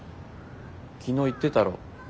昨日言ってたろ。